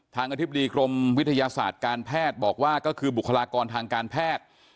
อธิบดีกรมวิทยาศาสตร์การแพทย์บอกว่าก็คือบุคลากรทางการแพทย์